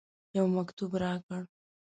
یو مکتوب راکړ.